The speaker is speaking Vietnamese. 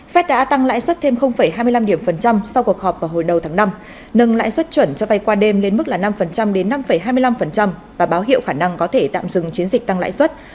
fed đã tăng lãi suất thêm hai mươi năm điểm phần trăm sau cuộc họp vào hồi đầu tháng năm nâng lãi suất chuẩn cho vay qua đêm lên mức là năm đến năm hai mươi năm và báo hiệu khả năng có thể tạm dừng chiến dịch tăng lãi suất